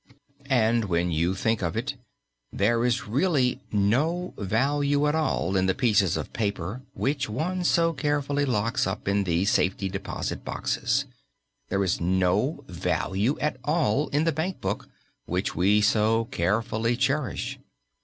And when you think of it, there is really no value at all in the pieces of paper which one so carefully locks up in these safety deposit boxes. There is no value at all in the bank book which we so carefully cherish.